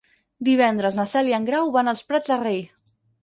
Dimecres na Cel i en Grau van als Prats de Rei.